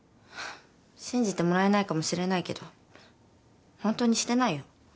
信じてもらえないかもしれないけどホントにしてないよ。